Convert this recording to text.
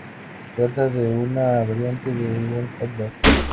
Se trata de una variante de un "hot dog".